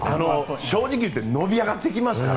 正直言って伸び上がってきますから。